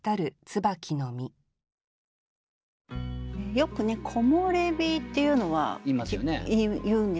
よく「木漏れ日」っていうのはいうんですよね。